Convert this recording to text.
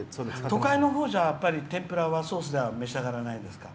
都会のほうじゃ、やっぱ天ぷらはソースでは召し上がらないですか？